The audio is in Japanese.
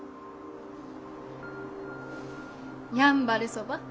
やんばるそば？